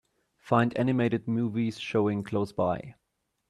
Find animated movies showing close by.